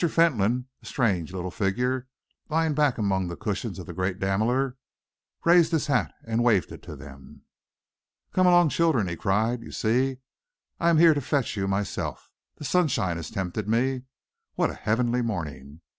Fentolin, a strange little figure lying back among the cushions of the great Daimler, raised his hat and waved it to them. "Come along, children," he cried. "You see, I am here to fetch you myself. The sunshine has tempted me. What a heavenly morning!